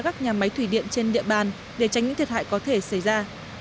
các nhà máy thủy điện trên địa bàn để tránh những thiệt hại có thể xảy ra